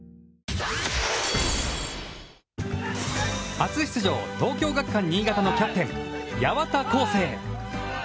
初出場、東京学館新潟のキャプテン八幡康生。